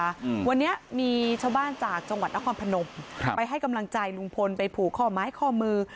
อืมวันนี้มีชาวบ้านจากจังหวัดนครพนมครับไปให้กำลังใจลุงพลไปผูกข้อไม้ข้อมือ